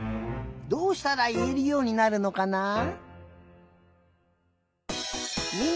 どうしたらいえるようになるのかな？